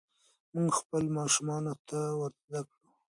موږ باید خپلو ماشومانو ته دا ور زده کړو.